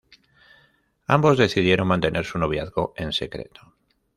Ambos decidieron mantener su noviazgo en secreto.